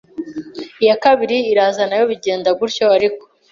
iya kabiri iraza nayo bigenda gutyo ariko